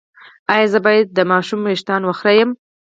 ایا زه باید د ماشوم ویښتان وخرییم؟